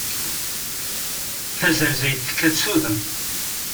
D tazerzayt tekkat s udem.